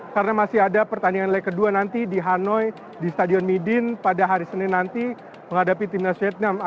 karena masih ada pertandingan leg kedua nanti di hanoi di stadion midin pada hari senin nanti menghadapi timnas vietnam